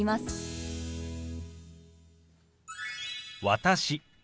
「私」